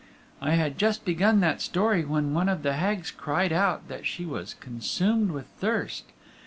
I had just begun that story, when one of the Hags cried out that she was consumed with thirst.